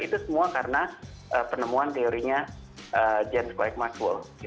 itu semua karena penemuan teorinya james blake maxwell